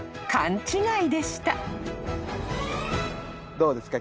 どうですか？